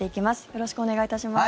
よろしくお願いします。